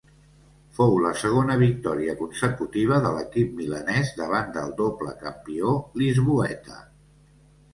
Fou la segona victòria consecutiva de l'equip milanès davant del doble campió lisboeta.